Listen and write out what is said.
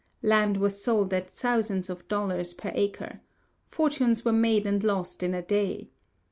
Land was sold at thousands of dollars per acre. Fortunes were made and lost in a day.